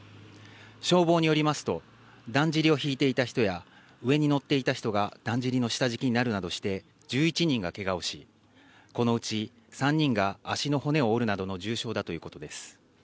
消防によりますとだんじりを引いていた人や上に乗っていた人がだんじりの下敷きになるなどして１１人がけがをし、このうち３人が足の骨を折るなどの重傷だということです。